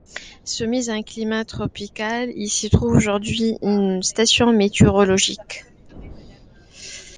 Soumise à un climat tropical, il s'y trouve aujourd'hui une station météorologique.